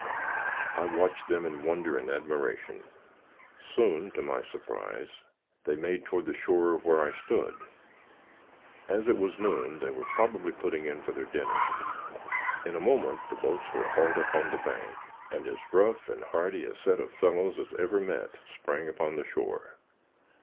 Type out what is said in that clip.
I watched them in wonder and admiration. Soon, to my surprise, they made toward the shore where I stood. As it was noon, they were probably putting in for their dinner. In a moment the boats were hauled up on the bank, and as rough and hardy a set of fellows as ever met, sprang upon the shore.